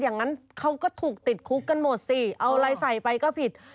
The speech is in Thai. อย่างนั้นเขาก็ถูกติดคุกกันหมดสิเอาอะไรใส่ไปก็ผิด